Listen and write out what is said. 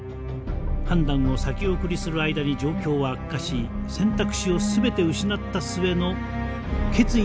判断を先送りする間に状況は悪化し選択肢を全て失った末の決意